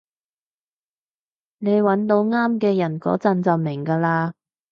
你搵到啱嘅人嗰陣就明㗎喇